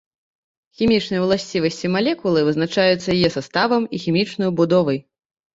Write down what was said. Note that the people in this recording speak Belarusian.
Хімічныя ўласцівасці малекулы вызначаюцца яе саставам і хімічнаю будовай.